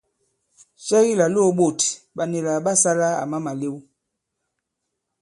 Cɛ ki làlōō ɓôt ɓa nila ɓa sālā àma màlew ?